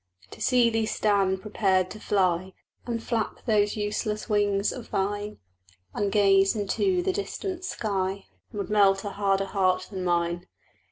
To see thee stand prepared to fly, And flap those useless wings of thine, And gaze into the distant sky, Would melt a harder heart than mine.